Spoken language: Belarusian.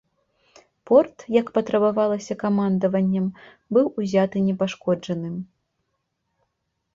Порт, як патрабавалася камандаваннем, быў узяты непашкоджаным.